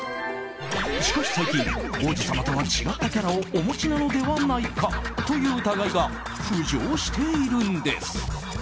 しかし最近王子様とは違ったキャラをお持ちなのではないかという疑いが浮上しているんです。